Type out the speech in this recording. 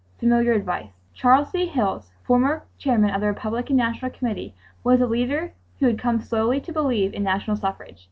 Familiar advice! Charles D. Hilles, former Chairman of the Republican National Committee, was a leader who had come slowly to believe in national suffrage.